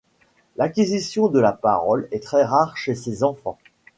L’acquisition de la parole est très rare chez ces enfants.